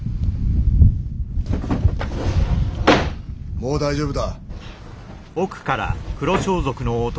もう大丈夫だ。